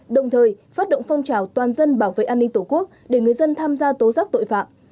đồng thời phát động phong trào toàn dân bảo vệ an ninh tổ quốc để người dân tham gia tố giác tội phạm